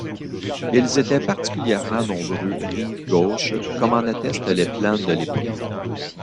Ils étaient particulièrement nombreux rive gauche, comme en attestent les plans de l'époque.